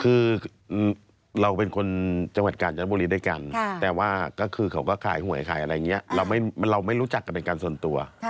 คือเราเป็นคนจังหวัดกาญจนบุรีด้วยกันแต่ว่าก็คือเขาก็ขายหวยขายอะไรอย่างนี้เราไม่รู้จักกันเป็นการส่วนตัว